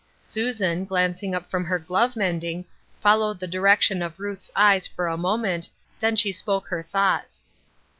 Susan, glancing up from her glove mending, followed the direction of Ruth's eyes for a moment, then she spoke her thoughts.